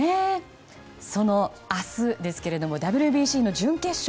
その明日ですがＷＢＣの準決勝